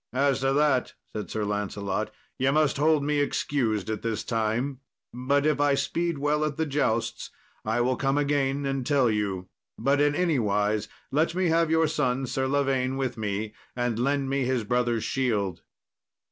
"As to that," said Sir Lancelot, "ye must hold me excused at this time, but if I speed well at the jousts, I will come again and tell you; but in anywise let me have your son, Sir Lavaine, with me, and lend me his brother's shield."